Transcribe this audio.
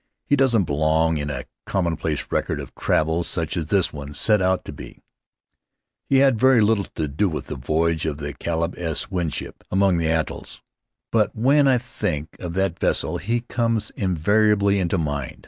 He doesn't belong in a commonplace record of travel such as this one set out A Leisurely Approach to be. He had very little to do with the voyage of the Caleb S. Winship among the atolls. But when I think of that vessel he comes inevitably into mind.